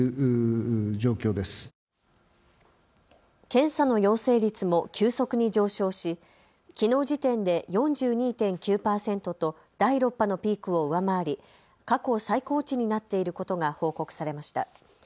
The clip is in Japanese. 検査の陽性率も急速に上昇し、きのう時点で４２．９％と第６波のピークを上回り過去最高値になっていることが報告されました。